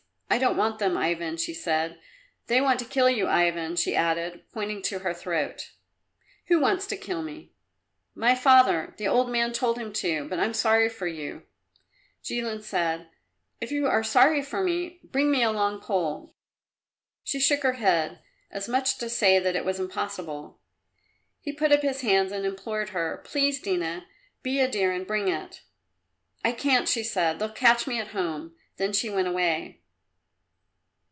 "I don't want them, Ivan," she said. "They want to kill you, Ivan," she added, pointing to her throat. "Who wants to kill me?" "My father. The old man told him to, but I'm sorry for you." Jilin said, "If you are sorry for me, bring me a long pole." She shook her head, as much as to say that it was impossible. He put up his hands and implored her, "Please, Dina! Be a dear and bring it!" "I can't," she said; "they'll catch me at home." Then she went away.